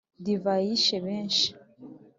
divayi yishe benshi.